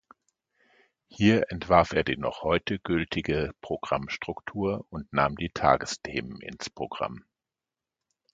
Hier entwarf er die noch heute gültige Programmstruktur und nahm die "Tagesthemen" ins Programm.